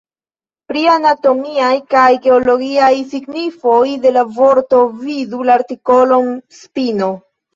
Pri anatomiaj kaj geologiaj signifoj de la vorto vidu la artikolon spino.